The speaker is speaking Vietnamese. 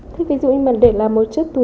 thế ví dụ mình để làm một chiếc túi